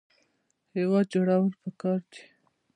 هیواد جوړول پکار دي